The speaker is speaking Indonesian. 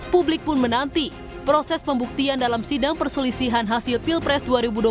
publik pun menanti proses pembuktian dalam sidang perselisihan hasil pilpres dua ribu dua puluh